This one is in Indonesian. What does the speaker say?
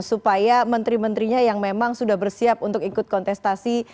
supaya menteri menterinya yang memang sudah bersiap untuk ikut kontestasi